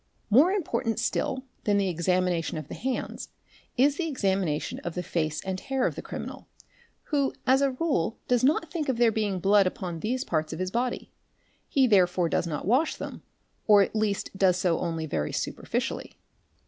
|_ More important still than the examination of the hands, is the exami "nation of the face and hair of the criminal, who as a rule does not think if there being blood upon these parts of his body; he therefore does not Wash them or at least does so only very superficially.